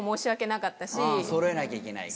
そろえなきゃいけないから。